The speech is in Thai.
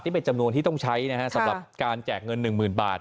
นี่เป็นจำนวนที่ต้องใช้นะฮะสำหรับการแจกเงินหนึ่งหมื่นบาท